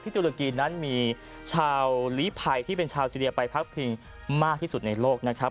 ตุรกีนั้นมีชาวลีภัยที่เป็นชาวซีเรียไปพักพิงมากที่สุดในโลกนะครับ